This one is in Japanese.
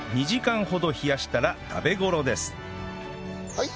はい。